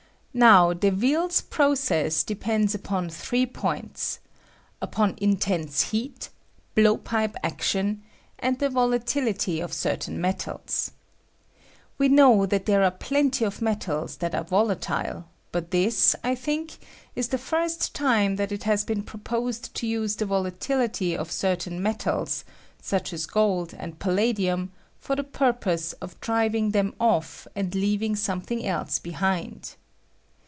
^^H Now Beville's proeess depends upon three ^^^ points — upon intense heat, blowpipe action, and the volatility of certain metals. We know that there are plenty of metala that are volatile, but this, I think, is the firat time that it has been proposed to use the volatihty of certain metals, such as gold and palladium, for the purpose of driving them off and leaving something else behind.